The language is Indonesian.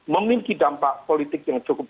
memiliki dampak politik yang cukup